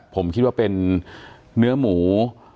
ผมคิดว่าเป็นเนื้อหมู